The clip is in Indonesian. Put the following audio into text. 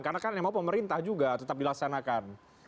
karena kan memang pemerintah juga tetap dilaksanakan